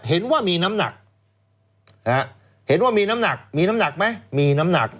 เห็นว่ามีน้ำหนักเห็นว่ามีน้ำหนักมีน้ำหนักไหมมีน้ำหนัก